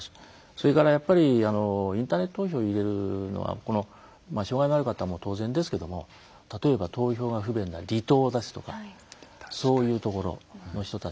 それからインターネット投票を入れるのは障害のある方は当然ですけども例えば、投票が不便な離島だとかそういうところの人たちの。